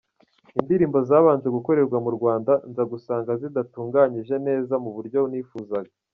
Indirimbo zabanje gukorerwa mu Rwanda nza gusanga zidatunganyije neza mu buryo nifuzaga.